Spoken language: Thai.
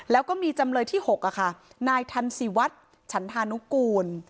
แล้วก็มีจำเลยที่๖นายทันศิวัฒน์ฉันธานุกูล